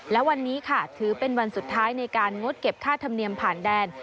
และวันนี้ค่ะถือเป็นวันสุดท้ายในการงดเก็บค่าธรรมเนียมผ่านแดน